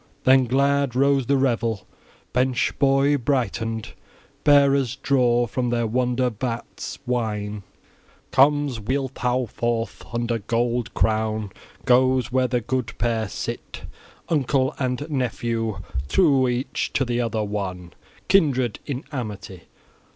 Then glad rose the revel; bench joy brightened. Bearers draw from their "wonder vats" wine. Comes Wealhtheow forth, under gold crown goes where the good pair sit, uncle and nephew, true each to the other one, kindred in amity.